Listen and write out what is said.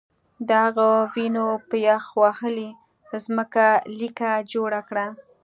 د هغه وینو په یخ وهلې ځمکه لیکه جوړه کړه